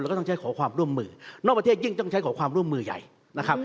แล้วก็ต้องใช้ขอความร่วมมือนอกประเทศยิ่งต้องใช้ขอความร่วมมือใหญ่นะครับ